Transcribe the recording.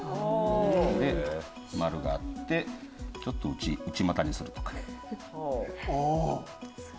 で丸があってちょっと内股にする。